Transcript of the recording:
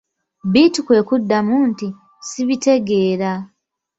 Bittu kwe kuddamu nti:"ssibitegeera"